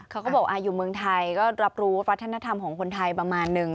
เขาก็บอกอยู่เมืองไทยก็รับรู้วัฒนธรรมของคนไทยประมาณนึง